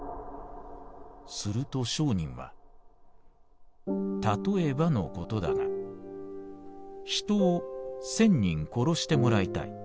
すると聖人は『たとえばのことだが人を千人殺してもらいたい。